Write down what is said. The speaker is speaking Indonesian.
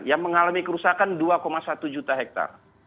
yang mengalami kerusakan dua satu juta hektare